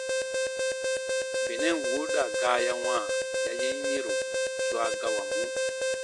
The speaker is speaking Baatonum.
Benɛn wooda gaa ya wãa ya yen yɛ̃robu swa gawamɔ.